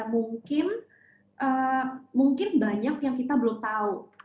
mungkin banyak yang kita belum tahu